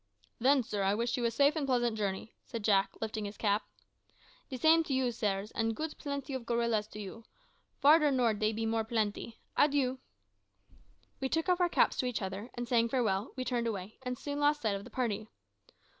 "Then, sir, I wish you a safe and pleasant journey," said Jack, lifting his cap. "De same to you, sairs, an' goot plenty of gorillas to you. Farder nord dey be more plenty. Adieu!" We took off our caps to each other, and saying farewell, we turned away, and soon lost sight of the party.